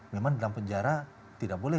memang dalam penjara tidak boleh